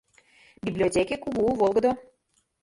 Библиотеке кугу, волгыдо.